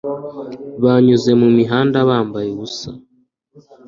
Banyuze mu mihanda bambaye ubusa